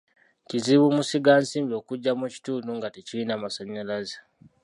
Kizibu musigansimbi okujja mu kitundu nga tekirina masannyalaze.